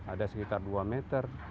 ada sekitar dua meter